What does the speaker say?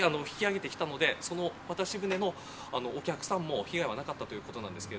引き上げてきたので、渡し船のお客さんも被害はなかったということです。